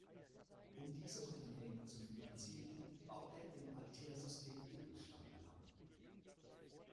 Um diese Unternehmen zu finanzieren, baut er im Altair-System Edelsteine ab.